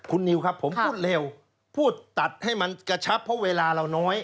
คุณนิวครับผมพูดเร็วพูดตัดให้มันกระชับเพราะเวลาเราน้อย